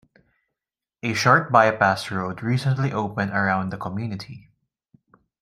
A short bypass road recently opened around the community.